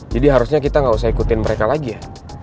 jadi harusnya kita gak usah ikutin mereka lagi ya